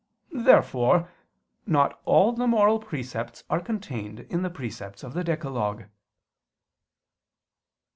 Therefore not all the moral precepts are contained in the precepts of the decalogue.